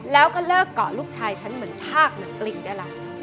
แล้วก็เลิกเกาะลูกชายฉันเหมือนภาคเหมือนกลิ่นได้แล้ว